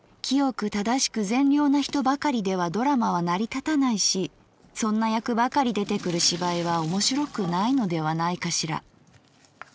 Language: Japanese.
清く正しく善良な人ばかりではドラマは成り立たないしそんな役ばかり出てくる芝居は面白くないのではないかしら。